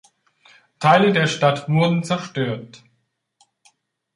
Teile der Stadt wurden zerstört.